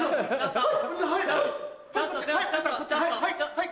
はい！